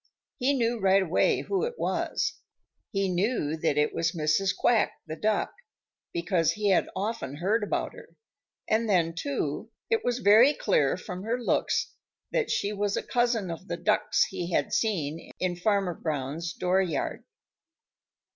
He knew right away who it was. He knew that it was Mrs. Quack the Duck, because he had often heard about her. And then, too, it was very clear from her looks that she was a cousin of the ducks he had seen in Farmer Brown's dooryard.